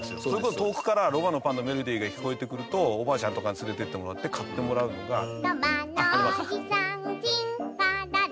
それこそ遠くからロバのパンのメロディーが聞こえてくるとおばあちゃんとかに連れてってもらって買ってもらうのが。